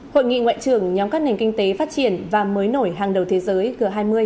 hội nghị ngoại trưởng nhóm các nền kinh tế phát triển và mới nổi hàng đầu thế giới g hai mươi